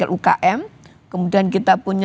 semacam apa ada di indonesia